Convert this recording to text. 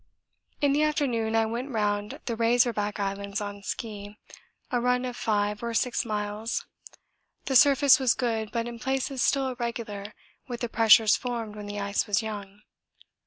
In the afternoon I went round the Razor Back Islands on ski, a run of 5 or 6 miles; the surface was good but in places still irregular with the pressures formed when the ice was 'young.'